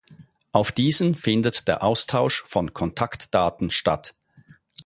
Auf diesen findet der Austausch von Kontaktdaten statt.